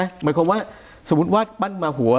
หมายความว่าสมมุติว่าปั้นมาหัว